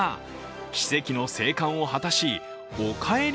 奇跡の生還を果たし、おかえり！